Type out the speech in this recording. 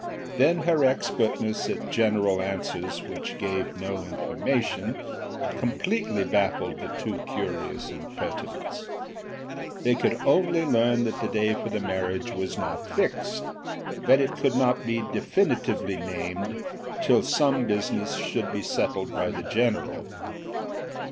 Then her expertness at general answers which give no information, completely baffled the two curious impertinents. They could only learn that the day for the marriage was not fixed, that it could not be definitively named till some business should be settled by the general.